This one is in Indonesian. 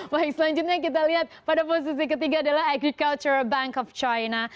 baik selanjutnya kita lihat pada posisi ketiga adalah agriculture bank of china